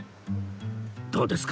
どうですか？